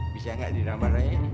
bisa tidak dinamakan nyai